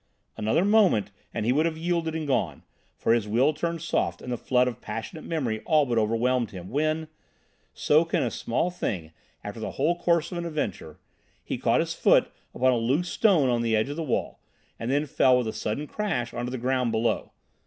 Another moment and he would have yielded and gone, for his will turned soft and the flood of passionate memory all but overwhelmed him, when—so can a small thing alter the whole course of an adventure—he caught his foot upon a loose stone in the edge of the wall, and then fell with a sudden crash on to the ground below.